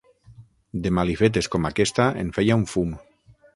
De malifetes com aquesta, en feia un fum.